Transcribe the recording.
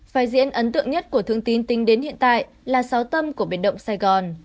vai diễn ấn tượng nhất của thương tín tính đến hiện tại là sáu tâm của biển động sài gòn